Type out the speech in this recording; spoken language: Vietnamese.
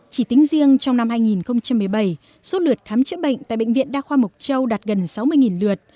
chỉ tính riêng trong năm hai nghìn một mươi bảy số lượt khám chữa bệnh tại bệnh viện đa khoa mộc châu đạt gần sáu mươi lượt